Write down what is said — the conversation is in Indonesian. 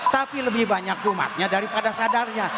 tapi lebih banyak umatnya daripada sadarnya